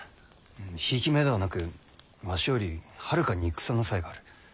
ひいき目ではなくわしよりはるかに戦の才がある。